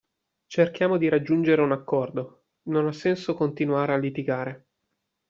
Cerchiamo di raggiungere un accordo, non ha senso continuare a litigare.